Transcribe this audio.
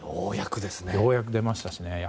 ようやく出ましたし。